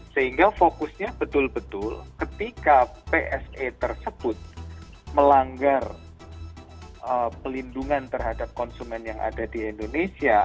sehingga fokusnya betul betul ketika pse tersebut melanggar pelindungan terhadap konsumen yang ada di indonesia